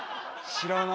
知らない。